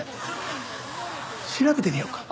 調べてみようか？